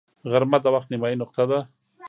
غرمه د وخت نیمايي نقطه ده